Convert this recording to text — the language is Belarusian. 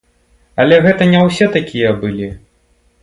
Але гэта не ўсе такія былі.